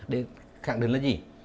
để khẳng định là gì